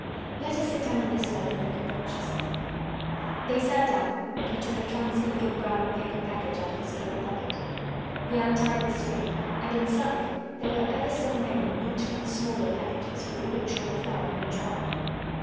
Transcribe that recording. "Let us sit down on this log and look at them," she said. They sat down and he took a clumsy little brown paper package out of his coat pocket. He untied the string and inside there were ever so many neater and smaller packages with a picture of a flower on each one.